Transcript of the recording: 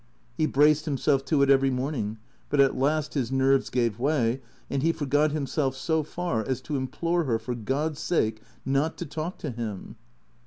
He braced himself to it every morning, but at last his nerves gave way, and he forgot himself so far as to implore her for God's sake not to talk to him.